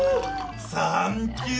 サンキュー！